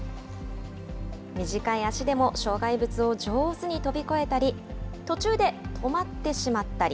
短い足でも障害物を上手に飛び越えたり、途中で止まってしまったり。